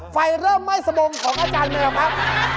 ไฟเริ่มไหม้สบงของอาจารย์แมวครับ